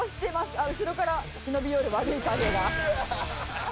あっ後ろから忍び寄る悪い影が。